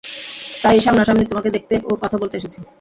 তাই সামনাসামনি তোমাকে দেখতে ও কথা বলতে এসেছি।